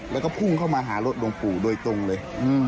แล้วก็พุ่งเข้ามาหารถหลวงปู่โดยตรงเลย